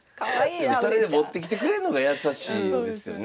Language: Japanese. それで持ってきてくれんのが優しいですよね。